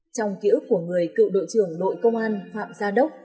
trong ký ức của người cựu đội trưởng lội công an phạm gia đốc